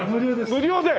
無料で！？